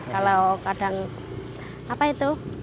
kalau kadang apa itu